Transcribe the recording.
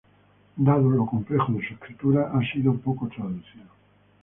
Dado lo complejo de su escritura, ha sido poco traducido.